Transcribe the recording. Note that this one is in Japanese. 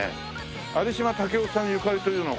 有島武郎さんゆかりというのは？